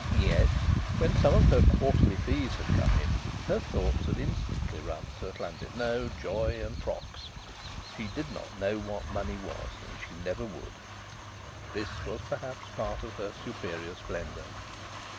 Yet, when some of her quarterly fees had come in, her thoughts had instantly run to Llandudno, joy, and frocks. She did not know what money was, and she never would. This was, perhaps, part of her superior splendour.